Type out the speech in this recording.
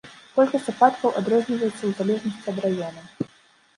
Колькасць ападкаў адрозніваецца ў залежнасці ад раёна.